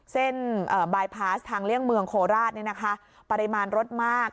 เส้นเอ่อทางเลี่ยงเมืองโคราชเนี่ยนะคะปริมาณรถมาก